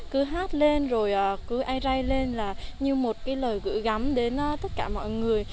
cứ hát lên rồi cứ ai ray lên là như một cái lời gửi gắm đến tất cả mọi người